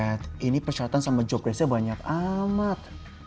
ruset ini persyaratan sama jobdesknya banyak amat